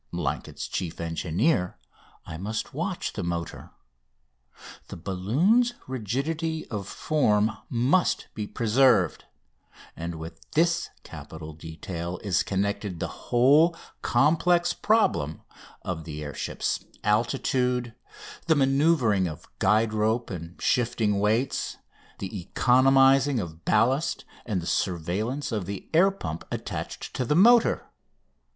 Like its chief engineer, I must watch the motor. The balloon's rigidity of form must be preserved. And with this capital detail is connected the whole complex problem of the air ship's altitude, the manoeuvring of guide rope and shifting weights, the economising of ballast, and the surveillance of the air pump attached to the motor.